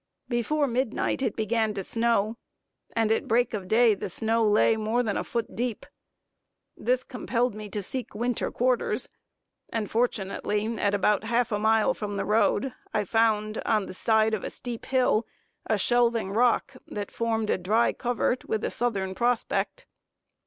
Before midnight it began to snow, and at break of day the snow lay more than a foot deep. This compelled me to seek winter quarters; and fortunately, at about half a mile from the road, I found, on the side of a steep hill, a shelving rock that formed a dry covert, with a southern prospect.